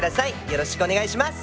よろしくお願いします。